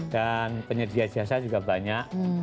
dan penyedia jasa juga banyak